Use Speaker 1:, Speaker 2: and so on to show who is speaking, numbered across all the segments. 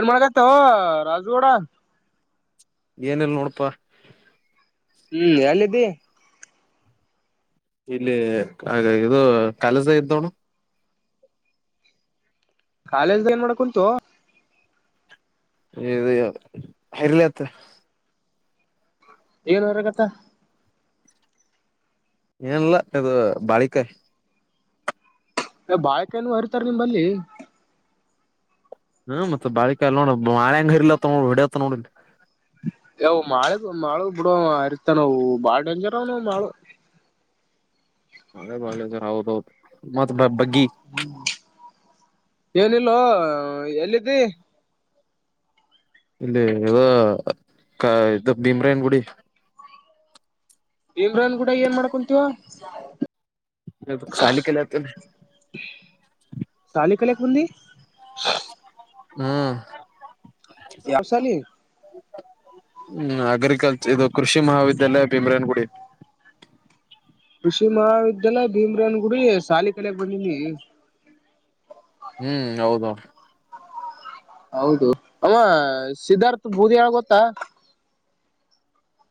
Speaker 1: A ಮಾಡಗತ ರಾಜುಗೂಡ
Speaker 2: ಏನಲ್ಲ ನೋಡಪಾ
Speaker 1: ಹ್ಮ್ ಎಲ್ಲಿದ್ದೀ
Speaker 2: ಇಲ್ಲಿ ಹಾಗ ಇದು ಕಲಸ ಇದ್ದೋಣು
Speaker 1: ಕಾಲೇಜ್ದ ಏನ್ ಮಾಡ ಕುಂತು
Speaker 2: ಇದು ಇರ್ಲತ್
Speaker 1: ಏನ್ ಹೊರಗತ್ತ
Speaker 2: ಏನಲ್ಲ ಇದು ಬಾಳಿಕಾಯಿ
Speaker 1: ಬಾಳಕ ನು ಹರಿತಾರ ನಿಂಬಲ್ಲಿ
Speaker 2: ಹ್ಮ ಮತ್ತೆ ಬಳಿಕ ನೋಡ ಮಳೆಂಗ ಹರಿಲತ್ತ ನೋಡ ಹೊಡತ್ತ ನೋಡ
Speaker 1: ಯವು ಮಾಳ ಮಾಳ ಬಿಡುವ ಅರಿತ ನಾವು ಬಾಳ ಡೇಂಜರ್ ಅವ ನವು ಮಾಳು
Speaker 2: [inaudible] ಅಬಾಳೆ ಜ ಹೌದೌದು ಮತ್ತಗ್
Speaker 1: ಹ್ಮ್ ಏನಿಲ್ಲೋ ಎಲ್ಲಿದ್ದಿ
Speaker 2: ಇಲ್ಲಿ ಇದದು ಭೀಮ್ರೇನ್ ಗುಡಿ
Speaker 1: ಇಮ್ರನ್ ಕೂಡ ಏನ್ ಮಾಡ್ಕೊಂತೀವ
Speaker 2: ಸಾಲಿಕಲ್ಲತನೆ
Speaker 1: ಎ ಕೆಲಕಂದ
Speaker 2: ಹ್ಮ್
Speaker 1: ಯಾವ ಸಾಲಿ
Speaker 2: ಹ್ಮ್ ಅಗ್ರಿಕಲ್ಚರ್ ಇದು ಕೃಷಿ ಮಹಾವಿದ್ಯಾಲಯ ಭೀಮ್ರೇನ ಗುಡಿ
Speaker 1: ಕೃಷಿ ಮಹಾವಿದ್ಯಾಲಯ ಭೀಮ್ರೇನ್ ಗುಡಿ ಸಾಲಿ ಕಡ ಬಂದಿನಿ
Speaker 2: ಹ್ಮ್ ಹೌದು
Speaker 1: ಹೌದು ಅಮ್ಮ ಸಿದ್ಧಾರ್ಥ ಬೂದಿ ಯಳ ಗೊತ್ತಾ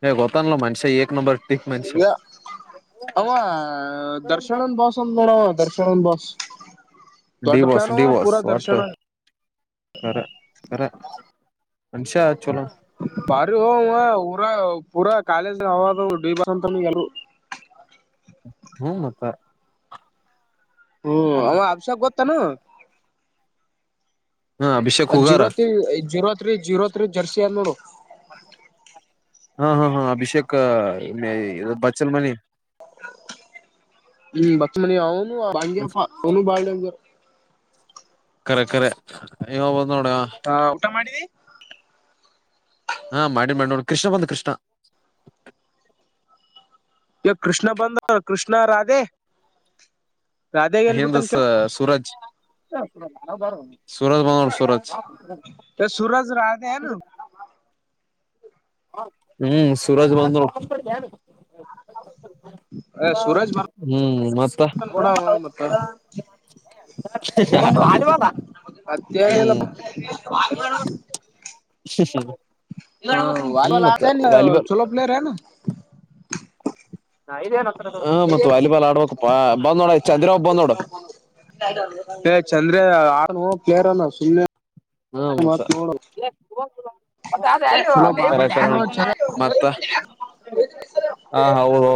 Speaker 2: ಹ ಹೊತ್ತಲ್ಲ ಮಾಸಏ ನಂಬರ್ ಟಿಕ್ ಮನುಷ್ಯ
Speaker 1: ಈ ಅವ ದರ್ಶನನ್ ಬಸ ಅಂತ ನೋಡವ ದರ್ಶನ್ ಚನ್ ಬಸ್
Speaker 2: ಡಿವೋರ್ಸ್ ಡಿವೋರ್ಸ್ ಒತರರ ಅಮಷ
Speaker 1: ಪರಿ ಉಊರ ಪೂರಾ ಕಾಾಲಜ ಹವ ತ ಬಸಂತ ಗಲ
Speaker 2: ಹ್ಮ್ ಮತ್ತ
Speaker 1: ಹ್ಮ್ ಅವ ಅಭಿಷಕ್ ಗೊತ್ತಾನು
Speaker 2: ಹ್ಮ ಅಭಿಷೇಕ್ ಹುಗಾರ
Speaker 1: zero three zero three zero three jersey ಅಲ್ಲಿ ನೋಡು
Speaker 2: ಹಾ ಹಾ ಹಾ ಅಭಿಷೇಕ್ ಬಚ್ಚಲ್ ಮನಿ
Speaker 1: ಹ್ಮ್ ಬಚ್ಚಲ್ ಮನಿ ಅವನುಂಗ್ಯಪ್ಪ ಅವನು ಬಾಳ ಡೇಂಜರ್
Speaker 2: ಕರೆ ಕರೆ ಇವಾ
Speaker 1: ಹಾ ಊಟ ಮಾಡಿದ್ದಿ
Speaker 2: ಹಾ ಮಾಡಿ ಮಾಡಿ ನೋಡಿ ಕೃಷ್ಣ ಬಂದ್ ಕೃಷ್ಣ
Speaker 1: ಈ ಕೃಷ್ಣ ಬಂದ ಕೃಷ್ಣ ರಾಧೆ ರಾಧೆಗೆ ಎಲ್ಬಿಟ್ಟನ್ ಕೇಳ
Speaker 2: [unintelligible] ಸೂರಜ್ ಸೂರಜ್ ಬಂದ ನೋಡು ಸೂರಜ್
Speaker 1: ಏ ಸೂರಜ್ ರಾಧೆ ಏನು
Speaker 2: ಹ್ಮ್ ಸೂರಜ ಬಂದ ನೋಡು
Speaker 1: ಏ ಸೂರಜ್
Speaker 2: ಹ್ಮ್ ಮತ್ತ
Speaker 1: ಬರ್ತನ್ ಬಿಡ ಅವ ಮತ್ತ ಮತ್ತೇನಿಲ್ಲ
Speaker 2: ಹ್ಮ್ [unintelligible] ಮತ್ತ
Speaker 1: [unintelligible]
Speaker 2: ವಾಲಿಬಾಲ್
Speaker 1: ಛಲೋ ಪ್ಲೆಯರ್
Speaker 2: ಹ ಮತ್ ವಾಲಿಬಾಲ್ ಆಡ್ಬೇಕಕ್ ಬಂದ್ ನೋಡ ಚಂದ್ರಾಒಬ್ಬ ಬಂದ್ ನೋಡು
Speaker 1: ಏ ಚಂದ್ರೆ ಅವನು ಪ್ಲೇಯರ್ ಅವನೇ ಸುಮ್ನೆ
Speaker 2: ಹಾ ಮತ್ತೆ
Speaker 1: ಮತ್ ನೋಡು ಚಲೋ ಬಾರಿ ಆಡ್ತಾನ
Speaker 2: ಮತ್ತ ಹ ಹೌದೌದು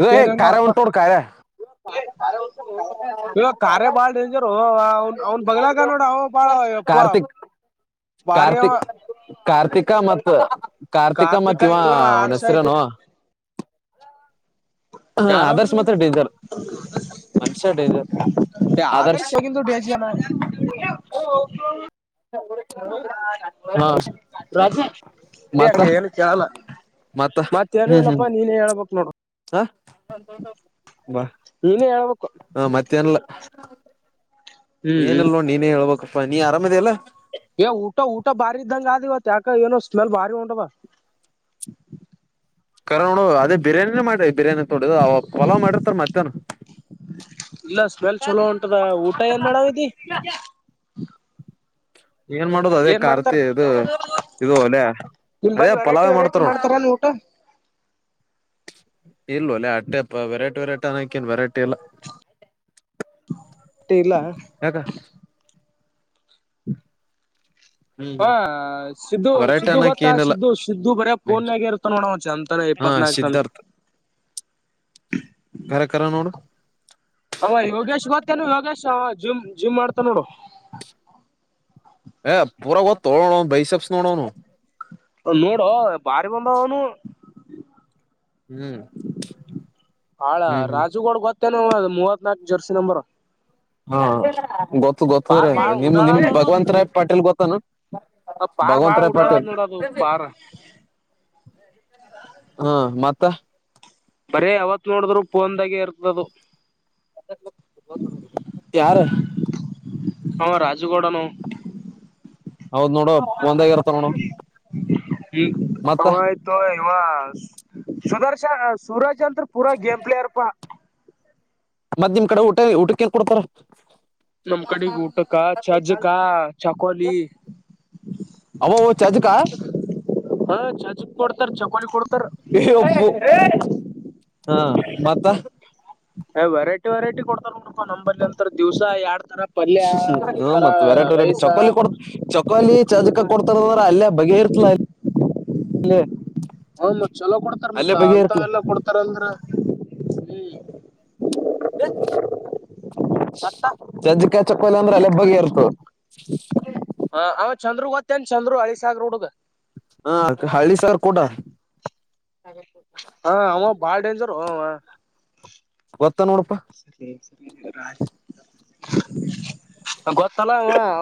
Speaker 2: ಇದು ಹೇ ಖಾರೆ ಉಂಟೋಡ್ ಖಾರೆ
Speaker 1: ಇವಾಗ ಕಾರೇ ಬಾಳ್ ಡೇಂಜರು ಅವ ಅವನ್ ಬಗ್ಲಕ ನೋಡ ಅವ ಬಾಳ ಯಪ್ಪ
Speaker 2: ಕಾರ್ತಿಕ್
Speaker 1: ಭಾರಿ ಅವ
Speaker 2: ಕಾರ್ತಿಕ್ ಕಾರ್ತಿಕ ಮತ್ತು ಕಾರ್ತಿಕ ಮತ್ತು
Speaker 1: ಕಾರ್ತಿಕ್
Speaker 2: ಇವಾನ್
Speaker 1: ಆಯ್ತು
Speaker 2: ಅವನ್
Speaker 1: ಆದರ್ಶ ಆಯ್ತು
Speaker 2: ಹೆಸರುಹೇನು
Speaker 1: ಯಾರು
Speaker 2: ಆದರ್ಶ್ ಮಾತ್ರ ಡೇಂಜರ್ ಮನುಷ್ಯ ಡೇಂಜರ್
Speaker 1: ಆದ
Speaker 2: ಆದರ್ಶ್
Speaker 1: ಆದರ್ಶಗಂತ [unintelligible]
Speaker 2: ಹಾ
Speaker 1: ಅಡಿ ಅ
Speaker 2: ಮತ್ತ
Speaker 1: ಏನು ಕೇಳಲ್ಲ
Speaker 2: ಮತ್ತ
Speaker 1: ಮತ್ತೇನು
Speaker 2: ಹ್ಮ್ ಹ್ಮ್
Speaker 1: ಇಲ್ಲಪ್ಪಾ ನೀನ್ ಹೇಳಳ್ಬ
Speaker 2: ಹ ಬಾ
Speaker 1: ನೀನೇ ಹೇಳ್ಬೇಕು
Speaker 2: ಹ ಮತ್ತೇಏನಿಲ್ಲ
Speaker 1: ಹ್ಮ್ ಹ್ಮ್
Speaker 2: ಏನಲ್ ನೋ ನೀನೇ ಹೇಳ್ಬೇಕಪ್ಪಾ ನೀ ಆರಾಮದೇಲ್ಲಾ
Speaker 1: ಏ ಊಟ ಊಟ ಬಾರಿ ಇದ್ದಂಗ ಆದ ಇವತ್ಕ ಏನೋ ಸ್ಮೆಲ್ ಬಾರಿ ಉಂಡವ
Speaker 2: ಕರೆ ನೋಡು ಅದೆ ಬಿರಯಾನಿ ನ ಮಾಡ ಬಿರಯಾನಿ ತೊಡದು ಓಲಾ ಮಾಡಿರ್ತಾರ ಮತ್ತ್ಯಾವನು
Speaker 1: ಇಲ್ಲ ಸ್ಮೆಲ್ ಚಲೋ ಉಂಟದ ಊಟ ಏನ್ ಮಾಡಾವಿದಿ
Speaker 2: ಏನ್ ಮಾಡೋದು ಅದೇ ಕಾರ್ತಿ ಇದು ಇದು ಒಲೆ
Speaker 1: ನಿಮ್
Speaker 2: ಅದೇ
Speaker 1: ಬಳಿ ವೆರೈಟಿ ವೆರೈಟಿ ಮಾಡ್ತಾರ ನೀ ಊಟ
Speaker 2: [inaudible] ಇಲ್ಲ ಅಲ್ಲ ಅಟ್ಟೆ ವೆರೈಟಿ ವೆರೈಟಿ ಅಕೇನ್ ವೆರೈಟಿ ಎಲ್ಲ
Speaker 1: ವೆರೈಟಿ ಇಲ್ಲ
Speaker 2: ಹ್ಮ
Speaker 1: ಹ ಸಿದ್ದು ಸಿದ್ದು
Speaker 2: ಅನ್ನಕ್
Speaker 1: ಗೊತ್ತಾ
Speaker 2: ಏನಿಲ್ಲ
Speaker 1: ಸಿದ್ದು ಸಿದ್ದು ಬರ ಪೋನ್ಗ ಇರುತ ನೋಡಚೆ ಅಂತ
Speaker 2: ಹಾ ಸಿದ್ಧಾರ್ಥ ಕರ ಕರ ನೋಡು
Speaker 1: ಅಮ್ಮ ಯೋಗೇಶ್ ಗೊತ್ತೇನು ಯೋಗೇಶ್ ಜಿಮ್ ಜಿಮ್ ಮಾಡ್ತಾ ನೋಡು
Speaker 2: ಹೇಯ್ ಊರ ಗೊತ್ತು ಬೈಸಬ್ಸ್ ನೋಡೋನು
Speaker 1: ನೋಡು
Speaker 2: ಹ್ಮ್
Speaker 1: ಹಾಳ
Speaker 2: ಹ್ಮ್ ಹ್ಮ್
Speaker 1: ರಾಜುಗೋಡ ಗೊತ್ತೆಲ್ಲ ಅ ಮೂವತ್ ನಾಲ್ಕ್ ಜರ್ಸಿ ನಂಬರ್
Speaker 2: ಹಾ ಗೊತ್ತು ಗೊತ್ತ್ರ
Speaker 1: ಬಾಳ
Speaker 2: ನಿಮ
Speaker 1: ಉಡಾಳ
Speaker 2: ನಿಮ್
Speaker 1: ಅದ ಅದು
Speaker 2: ಭಗವಂತ ರಾಯ್ ಪಾಟೇಲ್ ಗೊತ್ತಾನ
Speaker 1: ಆ ಪಾರ್
Speaker 2: ಭಗವಂತ
Speaker 1: ಬಾಳ
Speaker 2: ರಾಯ್
Speaker 1: ಉಡಾಳ ಅದ
Speaker 2: ಪಟೇಲ್
Speaker 1: ನೋಡ್ ಅದು ಪಾರ್
Speaker 2: ಹಾ ಮತ್ತ
Speaker 1: ಬರೇ ಯಾವತ್ ನೋಡಿದ್ರು ಪಫೋನ್ದಾಗೆ ಇರ್ತದು
Speaker 2: ತಾರ
Speaker 1: ಹ ರಾಜಗಡನ
Speaker 2: ಹೌದ್ ನೋಡುವ ಮತ್ತ
Speaker 1: ಹ್ಮ ಹತ ಇ ಸದಾರ್ ಸೂರಾಜ್ ಅಂತ್ರ ಪೂಾ ಗೇಮ್ ಪ್ಲೇರ್ಪ್ಪಾ
Speaker 2: ಮದ ನಿಮ್ ಕಡೆ ಊಟ ಊಟಕನ್ ಕೊಡ್ತಾರ
Speaker 1: ನಮ್ ಕಡೆಗ ಊಟಕ್ಕ ಚಜ್ಜಕ ಚಕಾಲಿ
Speaker 2: ಅ ಚಜಿಕಾ
Speaker 1: ಹಾ ಚಜಕ್ ಕೊಡ್ತಾರ ಚಕೋಲಿ ಕೊಡ್ತಾರ
Speaker 2: ಹಾ ಮತ್ತ
Speaker 1: ವರೈಟಿ ವೆರೈಟಿ ಕೊಡ್ತಾರನಪ್ಪಾ ನಂಬರ್ಲಿ ಅಂತರ ದಿವ್ಸ ಎ
Speaker 2: ಹ್ಮ ಮತ್ತತ್ ವೆರೈಟಿ ವೆರೈಟಿ
Speaker 1: ರೈಸ
Speaker 2: ಚಕೋಾಲಿ ಕೊಡ್ ಚಕೋಾಲಿ ಚಾಜಕ ಕೊಡ್ತ ಅಲ್ಲೇ ಬಗೆ ಇರ್ತಲ ಅ
Speaker 1: ಹ ಮತ್ ಚಲೋ ಕೊಡ್ತಾರ ಮತ್ತ ಅಂತ ಎಲ್ಲ ಕೊಡ್ತಾರ ಅಂದ್ರ ಹ್ಮ್
Speaker 2: ವತ್ತು
Speaker 1: ಮತ್ತ
Speaker 2: ಸಜ್ಜಿಕಾಯ ಚೊಕ್ಕೋಲಿ ಅಂದ್ರೆ ಅಲ್ಲಿೆಬ್ಬಗೆ ಇರ್ತು
Speaker 1: ಚಂದ್ರು ಗೊತ್ತೇನ್ ಚಂದ್ರು ಅಳ ಸಾಗರ ಹುಡುಗ
Speaker 2: ಹಾ ಹಳ್ಳಿ ಸರ್ ಕೂಟ
Speaker 1: ಹಾ ಅವ ಬಾಳ್ ಡೇಂಜರ್ ಅವ
Speaker 2: ಗತ್ತ ನೂಡ್ ರೂಪಾ
Speaker 1: ರಾಜ ಗೊತ್ತಲ್ಲ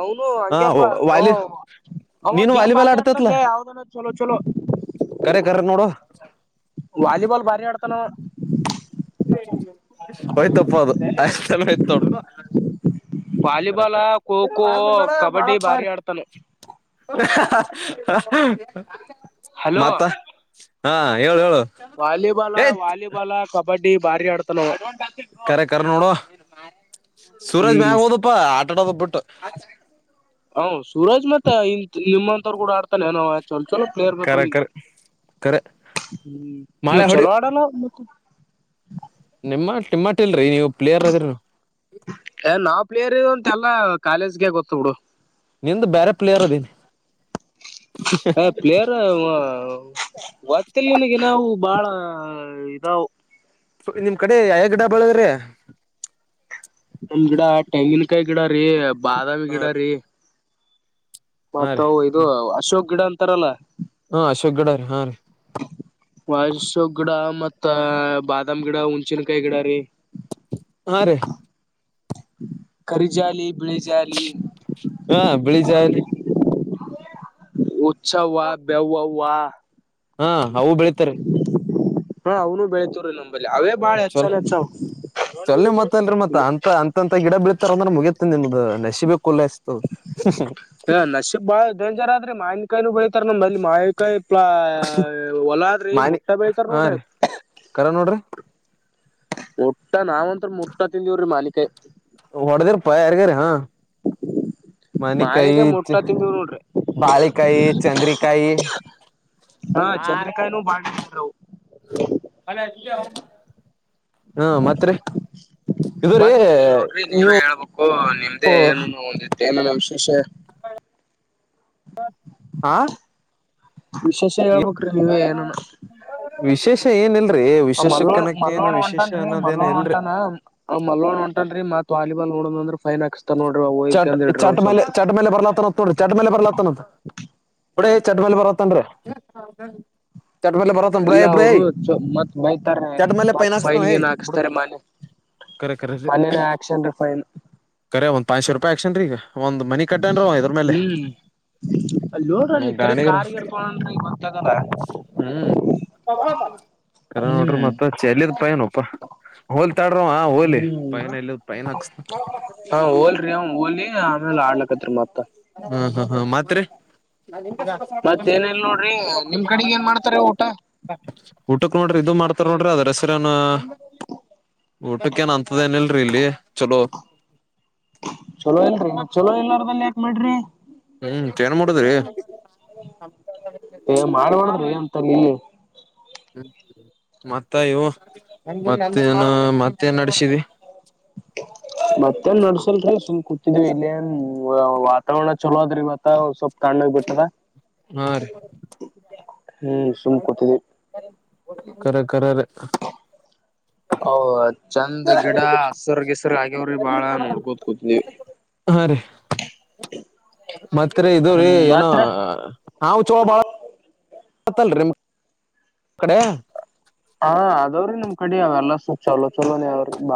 Speaker 1: ಅವನು
Speaker 2: ಹ
Speaker 1: ಹಂಗೆಪ್ಪಾ ಹ
Speaker 2: ವಾಲಿ
Speaker 1: ಅವ
Speaker 2: ನೀನು
Speaker 1: ಗೇಮ್
Speaker 2: ವಾಲಿಬಾಲ್
Speaker 1: ಭಾರಿ
Speaker 2: ಆಡ್ತತ್ಲ
Speaker 1: ಆಡ್ತನ್ಲ ಯಾವ್ದ ಚಲೋ ಚಲೋ
Speaker 2: ಕರೆ ಕರ ನೋಡು
Speaker 1: ಜಳ
Speaker 2: ಹಯ್ತಪ್ಪ ಅದು ಆಯ ಆಯ್ತೋಡು
Speaker 1: ವಾಲಿಬಾಲ್ ಖೋ ಖೋ
Speaker 2: ಾಸ ಕೂಡ ಮಳೆ
Speaker 1: ಕಬಡ್ಡಿ
Speaker 2: ಪಾರ್
Speaker 1: ಬಾರಿ ಆಡ್ತಾನ
Speaker 2: ಮತ್ತ ಹಾ ಹೇಳು ಹೇಳು
Speaker 1: ವಾಲಿಬಲ್
Speaker 2: ಏತ್
Speaker 1: ವಾಲಿಬಲ್ ಕಬಡ್ಡಿ ಭಾರಿ ಆಡ್ತ ನಾವು
Speaker 2: ಕರೆ ಕರ್ ನೋಡುವ ಸೂರಾಜ್
Speaker 1: ಹ್ಮ್
Speaker 2: ಮ್ಯಾಗೆ ಹೋದಪ್ಪಾ ಆಟ ಆಡೋದ ಬಿಟ್ಟು
Speaker 1: ಹ ಸೂರಾಜ್ ಮತ್ತೆ ಇ ನಿಮ್ಮಂತವ್ರು ಕೂಡ ಆಡ್ತಾನೆ ಏನೋ ಆತ ಚಲೋ ಚಲೋ
Speaker 2: ಕರೆ
Speaker 1: ಪ್ಲೇರ್ಬೇಕಲ್ಲಿ
Speaker 2: ಕರೆ ಕರೆ
Speaker 1: ಹ್ಮ ನೀವು
Speaker 2: ಮಳೆ ಹೊಡಿ
Speaker 1: ಚಲೋ ಆಡಲ್ಲ ಮತ್ತ
Speaker 2: ನಿಮ್ಮ ನಿಮ್ಮಟ್ಟ ಇಲ್ರರಿ ನೀವು ಪ್ಲೇಯರ್ ಅದ್ರರು
Speaker 1: ನಾವ ಪ್ಲೇರ್ ಅಂತೆ ಎಲ್ಲಾ ಕಾಲೇಜ್ಗೆ ಗೊತ್ತ ಬಿಿಡು
Speaker 2: ನಿಂದು ಬೇರೆ ಪ್ಲೇಯರ್ ಅದೀನಿ
Speaker 1: ಹ ಪ್ಲೇಯರ್ ಒತ್ತಲ್ಲಿನಗೆ ನಾವು ಬಾಳ ಹ ಇದಾ
Speaker 2: ನಿಮ್ ಕಡೆ ಯ ಗಡಾಬಾಳದ್ರೆ
Speaker 1: ನಿಮ್ ಗಿಡ ತೆಂಗಿಲ್ಕಾಯಿ ಗಿಡ ರೀ ಬಾದಾಮಿ ಗಿಡ ರೀ
Speaker 2: ಹಾ
Speaker 1: ಮತ್ತ
Speaker 2: ರೀ
Speaker 1: ಇದು ಅಶೋಕ್ ಗಿಡ ಅಂತಾರಲ್ಲ
Speaker 2: ಹಾ ಅಶೋಕ್ ಗಡ ರೀ ಹಾ ರೀ
Speaker 1: ವಸ ಗಿಡ ಮತ್ತ ಬಾದಾಮ ಗಿಡ ಹುಣಚಿನಕಾಯಿ ಗಿಡ ರೀ
Speaker 2: ಹಾ ರೀ
Speaker 1: ಕರಿಜಾಲಿ ಬಿಳಿ ಜಾಲಿ
Speaker 2: ಹಾ ಬಿಳಿ ಜಾಯಲಿ
Speaker 1: ಉತ್ಸವ ಬೇವವಾಾ
Speaker 2: ಹಾ ಅವು ಬೆಳೀಿತಾರೆ
Speaker 1: ಹಾ ಅವನು ಬೆಳತವ್ರೀ ನಮ್
Speaker 2: ಚಲ್ ಚಲ ಮತ್ತಲ್ರಿ ಮತ್ತ ಅಂತ ಅ ಂತ ಗಿಡ ಬೀಳ್ತಾರ ಅಂದ್ರೆ ಮುಗಿಯತ ನಿಮ್ದ ನೆಿಬೇಕುಲ್ಲಷ್ಟ
Speaker 1: ಹ ನಶಿ ಬಾಳ ಡೇಂಜರ್ ಆದ್ರಿ ಮಾಯನ್ಕಾಯನು ಬಳ ತರ್ ನಮ ಅಲ್ಲಿ ಮಾವಿನಕಾಯಿ ಹೊಲಾದ್ರಿ ಮುಟ್ಟ ಬೆಳ್ತಾರ ನೋಡ್ರಿ.
Speaker 2: ಕರೆನೋಡ್ರಿ,
Speaker 1: ಮುಟ್ಟ ನಾವ್ಂತ ಮುಟ್ಟ ತಿಂದಿವವ್ರೀ ಮಾವಿನಕಾಯಿ.
Speaker 2: ಹೊಡೆದ ಪ ಯಾರಗಾರ ಹಾ, ಮನಿಕಾಯಿ
Speaker 1: ಮಾವಿನಕಾಯಿ ಮುಟ್ಟ ತಿಂದಿವ್ ನೋಡ್ರಿ
Speaker 2: ಬಾಳಿಕಾಯಿ, ಚಂದ್ರಿಕಾಯಿ
Speaker 1: ಹ್ಮ್, ಚಂದ್ರಕಾಯಿನೂ ಬಾ [unintelligible] ಡ್ಜ್ [inaudible]
Speaker 2: [unintelligible] ಹಾ, ಮತ್ರಿ ಇದು ರೀ
Speaker 1: ಮತ್ತೇಏನ ಇಲ್ ನೋಡ್ರಿ
Speaker 2: ನೀವು
Speaker 1: ನೀವೇ ಹೇಳ್ಬೇಕು. ನಿಮ್ದೇ ಏನು ನಾ ಒಂದಿ [unintelligible] ಏನ ನಡದದಾವಿಶೇಷ
Speaker 2: ಆಾ [inaudible]
Speaker 1: ವಿಶೇಷ ಹೇಳಬೇಕ್ರೀ ನೀವೇ ಏನ
Speaker 2: ವಿಶೇಷ ಏನಿಲ್ರಿ
Speaker 1: ಆ ಮಲ್ಲೋಣ-
Speaker 2: ವಿಶೇಷಕ್ಕನಕ ಏನು
Speaker 1: ಮಲ್ಲೋಣ
Speaker 2: ವಿಶೇಷ
Speaker 1: ಹೊಂಟನ್ರಿ
Speaker 2: ಅನ್ನೋದೇನು
Speaker 1: ಮಲ್ಲುಣ್ಣ
Speaker 2: ಇಲ್ರಿ
Speaker 1: ಹೊಂಟಾನ ಮಲ್ಲುಅಣ್ಣ ಹೊಂಟನ್ರಿ. ಮತ್ ವಾಲಿಬಾಲ್ ನೋಡ್ದನಂದ್ರ ಫೈನ್ ಆಕ್ಸ್
Speaker 2: ಚಟ್, ಚಟ್ ಮೇಲ್ಲೆ, ಚಟ್ ಮೇಲ್ಲೆ ಬರ್ಲಾತ್ತನತ್ ನೋಡಿ ಚಟ್ ಮೇಲ್ಲೆ ಬರ್ಲಾತ್ತನಂತ. ಇಡ ಚಡ್ಮಲ್ಲಿಿ ಪರ್ವತನ್್ರೀ [unintelligible] ಚಟ್ ಮೇಲೆ ಬರಲ್ತನ
Speaker 1: ಇಲ್ಲ
Speaker 2: ಬಿಡೇಯೇ,
Speaker 1: ಅವರು ಮತ್ ಬೈತಾರ
Speaker 2: ಚಟ್ ಮೇಲೆ
Speaker 1: ಮತ್
Speaker 2: ಪೈನಾಕ್ಸ್ತ
Speaker 1: ಫೈನ್ ಗೀನ್ ಹಾಕ್ಸ್ತಾರೆ ಮನೆ
Speaker 2: ಕರೆ, ಕರೆ,
Speaker 1: ಮನೇನೇ ಆಕ್ಷನ್ ರೀ ಫೈನ್
Speaker 2: ಕರೆ ಒಂದ್ ಪಾಸ್ ರೂಪಾಯಿ ಆಕ್ಸನ್ರಿ ಈಗ. ಒಂದ್ ಮನಿಕಟ್ಟ್ಯಾನ್ರಿ ಇದ್ರ ಮೇಲೆ.
Speaker 1: ಹ್ಮ್ ಅಲ್ಲಿ ನೋಡಲ್ಲಿ
Speaker 2: ಗಾಣಿಗರ
Speaker 1: ತಿರಿಗಿಕಾರಿಗರ್ ತಗೋಂಡಾನ ಗೊತ್ತಾಗಲ್ಲ.
Speaker 2: ಕ ನೋಡ್ರಿ
Speaker 1: ಹ್ಮ್
Speaker 2: ಮತ್ತ ಚೆಲ್ಲದ ಪ ಏನಪ್ಪ ಹಲ್ [unintelligible] ಮಾತಾಡರು ಆ ಹೋಲಿ
Speaker 1: ಹ್ಮ್
Speaker 2: ಪೈನ ಇಲ್ಲದ ಪೈನ್ ಹಾಕ್ಸ್ತ
Speaker 1: ಹೋಗಲಿ ಆಮೇಲೆ ಆಡ್ಲಕತ್ರಿ ಮತ್ತ.
Speaker 2: ಹಾ ಹಾ ಹಾ, ಮಾತ್ರಿ
Speaker 1: ಮತ್ ಏನಿಲ್ ನೋಡ್ರಿ ನಿಮ್ ಕಡೆಗ್ ಏನ್ ಮಾಡ್ತಾರ ಊಟ
Speaker 2: ಊಟಕ್ಕ ನೋಡ್ರಿ, ಇದು ಮಾಡ್ತಾರ ನೋಡ್ರಿ ಅದ್ರ ಹೆ ಸರಿ ಏನು ಊಟಕ್ಕ ಏನ್ ಅಂತದೇನಿಲ್ರಿ ಇಲ್ಲಿ ಚಲೋದ.
Speaker 1: ಚಲೋ ಇಲ್ರಿ, ಚಲೋ ಇರಲ್ಲಾರದ ಯಾಕ್ ಮಾಡ್ರಿ,
Speaker 2: ಹ್ಮ್, ಏನ್ ಮಾಡುದ್ರಿ
Speaker 1: ಏ ಮಾಡ್ಬಾರ್ದ್ರಿ ಅಂತಲ್ಲಿ
Speaker 2: ಹ್ಮ್, ಮತ್ತಿವು ಮತ್ತ ಏನು ಮತ್ತೇನ್ ನಡಸಿದಿ. [inaudible]
Speaker 1: ಮತ್ತೇನ್ ನಡ್ಸಿಲ್ರಿ ಸುಮ್ ಕೂತಿದ್ವಿ. ಇಲ್ಲೇಏನ್ ವಾತಾವರಣ ಚಲೋ ಅದ್ರಿ ಇವತ್ತಸ್ವಲ್ಪ ತಣ್ಣಗ್ ಬಿಟ್ಟದ.
Speaker 2: ಹ್ಮ್, ರೀ
Speaker 1: ಹ್ಮ್ ಸುಮ್ ಕೂತಿದ್ವಿ.
Speaker 2: ಕರೆ -ಕರೆ ಹ [unintelligible]
Speaker 1: ಹೌದು [unintelligible] ಚಂದ ಗಿಡ ಹಸರ್- ಗಿಸರು ಆಗ್ಯವ್ರಿ ಬಾಳ ನೋಡ್ಕೋತ್ ಕುೂತವಿ. -
Speaker 2: ಹಾ ರೀ ಮತ್ರಿ ಇದ್ರೀ
Speaker 1: ಹ್ಮ್
Speaker 2: ಏನೋ
Speaker 1: ಮತ್ರಿ
Speaker 2: ಹಾವು ಚೋಳ ಬಾಳ ಹತ್ತಲ್ರಿ ಕಡೆ [unintelligible]
Speaker 1: ಅವ್ರಿ ನಮ್ ಕಡೆ ಅವೆಲ್ಲ ಚಲೋ -ಚಲೋನೇಆವರಿ ಬ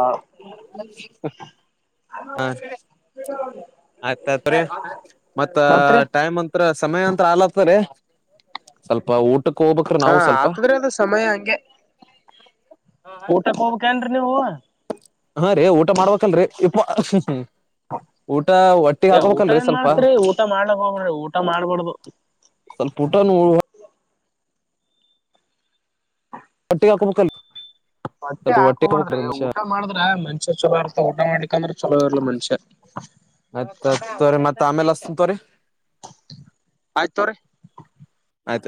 Speaker 2: ಹ ಆಯ್ತ, ಆಯ್ತ್ರಿ ಮತ್ತ
Speaker 1: ಮತ್ರಿ
Speaker 2: ಟೈಮ್ ಅಂತ ಸಮಯ ಅಂತ್ರ ಆಗಲತರಿ. ಸ್ವಲ್ಪ ಊಟಕ್ಕೆ ಹೋಗ್ಬೇಕ್ರಿ,
Speaker 1: ಹಾ
Speaker 2: ನಾವು ಸ್ವಲ್ಪ
Speaker 1: ಆತದ್ರಿ ಅದು ಸಮಯ ಹಂಗೆ. ಊಟಕ್ ಹೋಗ್ಬೇಕೇನ್ರಿ ನೀವು
Speaker 2: ಹಾ, ರೀ ಊಟ ಮಾಡ್ಬೇಕಲ್ರಿ ಯಪ್ಪಾ
Speaker 1: ಊಟ ಏನ್
Speaker 2: ಸ್ವಲ್ಪ
Speaker 1: ಮಾಡ್ತ್ರಿ, ಊಟ ಮಾಡ್ಲಕ್ ಹೋಗಬಾಡ್ರಿ ಊಟ ಮಾಡ್ಬಾರ್ದು.
Speaker 2: ಸ್ವಲ್ಪ ಊಟನೂ,, ಹೊಟ್ಟಿಗಿ ಹಾಕಬೇಕಲ್ರಿ
Speaker 1: ಮತ್ತೆ ಹಾಕೋಬಾರದ್ರಿ. ಊಟ ಮಾಡಿದ್ರ ಮನುಷ್ಯ ಚಲೋ ಇರ್ತದ. ಊಟ ಮಾಡ್ಲಿಕಂದ್ರ ಚಲೋ ಇರ್ಲ ಮನುಷ್ಯ.
Speaker 2: ಆತ್ ಹತ್ ಮತ್ತ [unintelligible] ಸಂತರೆ [inaudible]
Speaker 1: ಆಯ್ತು ತೋಗರಿ
Speaker 2: ಆಯ್ತ್